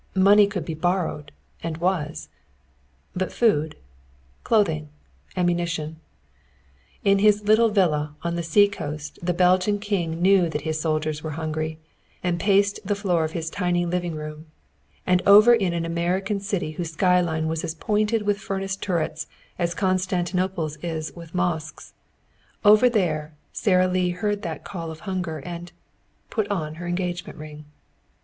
Money could be borrowed, and was. But food? Clothing? Ammunition? In his little villa on the seacoast the Belgian King knew that his soldiers were hungry, and paced the floor of his tiny living room; and over in an American city whose skyline was as pointed with furnace turrets as Constantinople's is with mosques, over there Sara Lee heard that call of hunger, and put on her engagement ring.